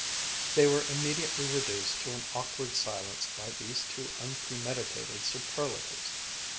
They were immediately reduced to an awkward silence by these two unpremeditated superlatives.